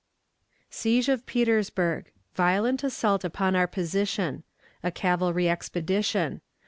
Siege of Petersburg. Violent Assault upon our Position. A Cavalry Expedition.